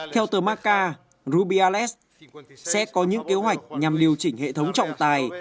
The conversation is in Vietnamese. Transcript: theo tờ macca rubiales sẽ có những kế hoạch nhằm điều chỉnh hệ thống trọng tài